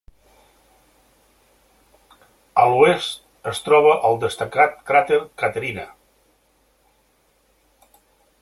A l'oest es troba el destacat cràter Caterina.